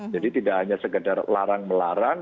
jadi tidak hanya sekedar larang melarang